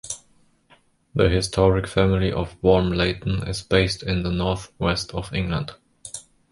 The historic family of Wormleighton is based in the North West of England.